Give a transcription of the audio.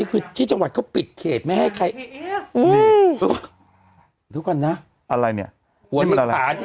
ที่คือที่จังหวัดเขาปิดเขตไม่ให้ใครนี่ดูกันนะอะไรเนี้ยหัวหนึ่งใหญ่